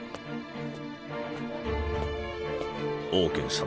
オウケン様